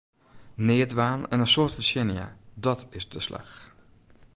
Neat dwaan en in soad fertsjinje, dàt is de slach!